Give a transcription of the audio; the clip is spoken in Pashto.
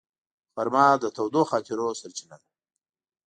غرمه د تودو خاطرو سرچینه ده